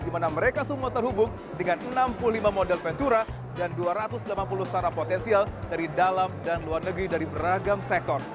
di mana mereka semua terhubung dengan enam puluh lima model ventura dan dua ratus delapan puluh startup potensial dari dalam dan luar negeri dari beragam sektor